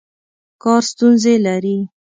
کار ستونزې لري.